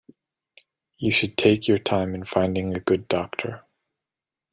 You should take your time in finding a good doctor.